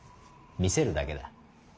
見せるだけだ。